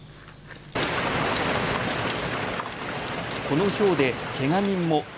このひょうで、けが人も。